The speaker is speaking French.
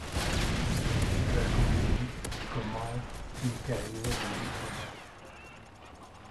Après la victoire communiste, il commence une carrière de diplomate.